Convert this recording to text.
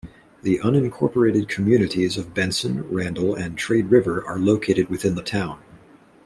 The unincorporated communities of Benson, Randall, and Trade River are located within the town.